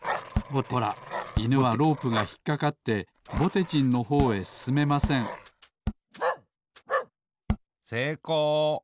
ほらいぬはロープがひっかかってぼてじんのほうへすすめませんせいこう。